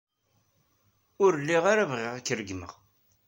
Ur lliɣ ara bɣiɣ ad k-regmeɣ.